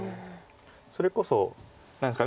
それこそ何ですか。